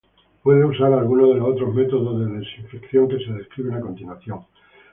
puede usar alguno de los otros métodos de desinfección que se describen a continuación.